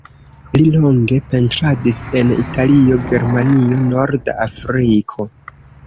Li longe pentradis en Italio, Germanio, Norda Afriko.